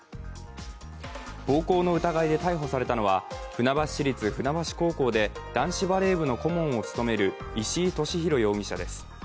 暴行の疑いで逮捕されたのは、船橋市立船橋高校で男子バレー部の顧問を務める石井利広容疑者です。